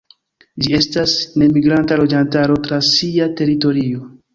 Ĝi estas nemigranta loĝanto tra sia teritorio.